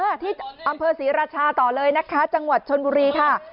ที่อำเภอศรีราชาต่อเลยนะคะจังหวัดชนบุรีค่ะ